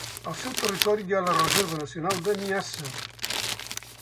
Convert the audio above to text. Al seu territori hi ha la Reserva Nacional de Niassa.